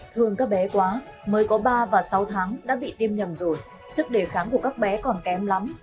thường các bé quá mới có ba và sáu tháng đã bị tiêm nhầm rồi sức đề kháng của các bé còn kém lắm